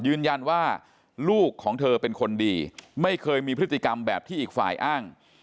ยืนยันว่าลูกของเธอเป็นคนดีไม่เคยมีพฤติกรรมแบบที่อีกฝ่ายอ้าง